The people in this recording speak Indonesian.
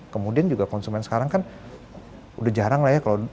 kemudian juga konsumen sekarang kan udah jarang lah ya